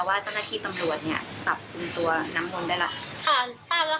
ว่าเจ้าหน้าที่ตำรวจจับตัวนางสาวน้ำมนต์ได้หรือ